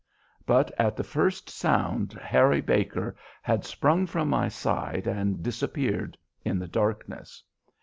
But at the first sound Harry Baker had sprung from my side and disappeared in the darkness.